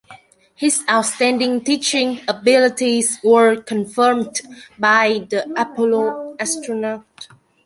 His outstanding teaching abilities were confirmed by the Apollo astronauts.